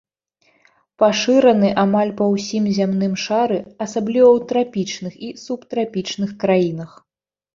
Пашыраны амаль па ўсім зямным шары, асабліва ў трапічных і субтрапічных краінах.